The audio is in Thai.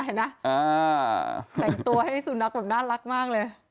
ใส่ตัวให้สุนัขแบบน่ารักมากเลย